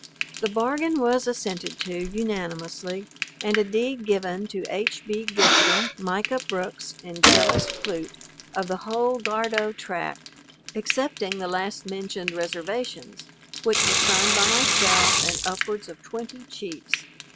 The bargain was assented to unanimously, and a deed given to H. B. Gibson, Micah Brooks and Jellis Clute, of the whole Gardow tract, excepting the last mentioned reservations, which was signed by myself and upwards of twenty Chiefs.